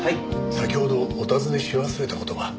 先ほどお尋ねし忘れた事が。